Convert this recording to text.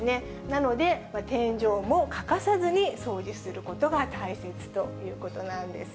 なので、天井も欠かさずに掃除することが大切ということなんです。